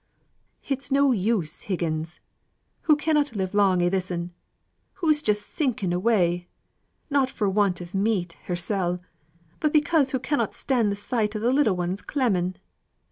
"It's no use, Higgins. Hoo cannot live long a' this'n. Hoo's just sinking away not for want o' meat hersel' but because hoo cannot stand th' sight o' the little ones clemming.